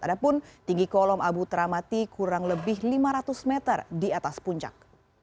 adapun tinggi kolom abu teramati kurang lebih lima ratus meter di atas puncak